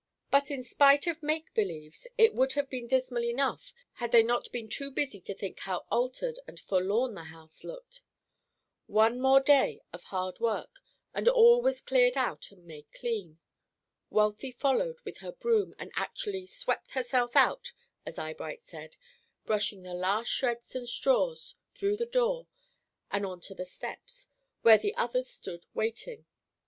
But in spite of "make believes," it would have been dismal enough had they not been too busy to think how altered and forlorn the house looked. One more day of hard work, and all was cleared out and made clean. Wealthy followed with her broom and actually "swept herself out," as Eyebright said, brushing the last shreds and straws through the door on to the steps, where the others stood waiting.